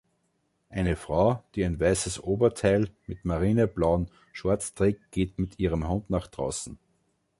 Eine Frau, die ein weißes Oberteil mit marineblauen Shorts trägt, geht mit ihrem Hund nach draußen.